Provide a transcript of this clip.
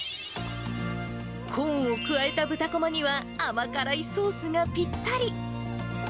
コーンを加えた豚こまには、甘辛いソースがぴったり。